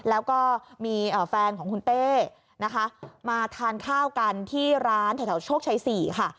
แล้วก็มีแฟนของคุณเต้นะคะมาทานข้าวกันที่ร้านแถวโชคชัย๔ค่ะ